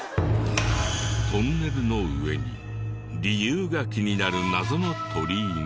トンネルの上に理由が気になる謎の鳥居が。